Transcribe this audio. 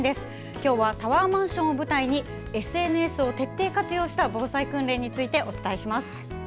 今日はタワーマンションを舞台にＳＮＳを徹底活用した防災訓練についてお伝えします。